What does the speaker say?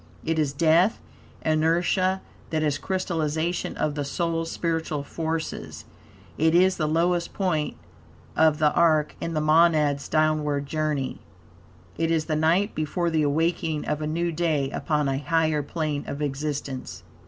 It is death, inertia; that is, crystallization of the soul's spiritual forces. It is the lowest point of the are in the monad's downward journey. It is the night, before the awakening of a new day upon a higher plane of existence.